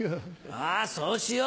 ああそうしよう。